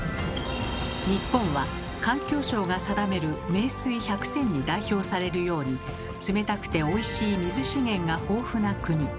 日本は環境省が定める「名水百選」に代表されるように冷たくておいしい水資源が豊富な国。